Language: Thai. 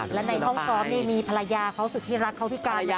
แล้วในห้องซ้อมนี่มีภรรยาเขาศึกธิรักเขาพี่การมาดูไหม